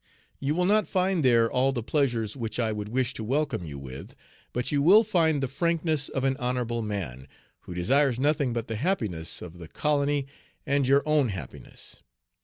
You will not find there all the pleasures which I would wish to welcome you with, but you will find the frankness of an honorable man, who desires nothing but the happiness of the colony and your own happiness.